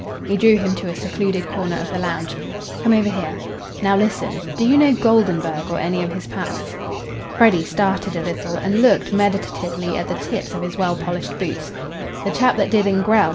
He drew him to a secluded corner of the lounge. "Come over here. Now, listen. Do you know Goldenburg or any of his pals?" Freddy started a little, and looked meditatively at the tips of his well polished boots. "The chap that did in Grell.